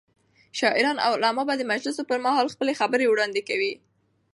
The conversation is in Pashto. شاعران او علما به د مجلسونو پر مهال خپلې خبرې وړاندې کولې.